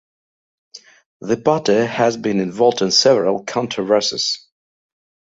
The party has been involved in several controversies.